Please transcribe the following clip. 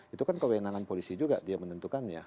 itu kan kewenangan polisi juga dia menentukannya